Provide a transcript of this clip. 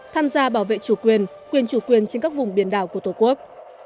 tham gia bảo vệ chủ quyền quyền chủ quyền trên các vùng biển đảo của tổ quốc